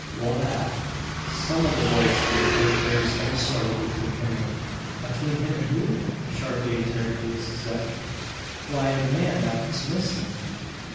"Well, that some of the boys here think there's been a struggle between him and " "Atween him an who?" sharply interrogates Zeb. "Why, the man that's missing."